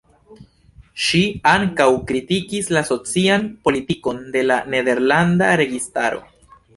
Ŝi ankaŭ kritikis la socian politikon de la nederlanda registaro.